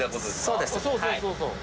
そうそうそうそう。